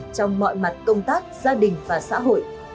trong mọi mặt công tác gia đình và xã hội